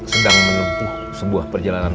sedang menempuh sebuah perjalanan